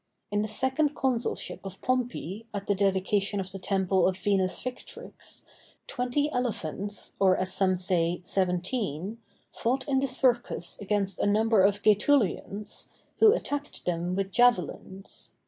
In the second consulship of Pompey at the dedication of the temple of Venus Victrix, twenty elephants, or, as some say, seventeen, fought in the Circus against a number of Gætulians, who attacked them with javelins.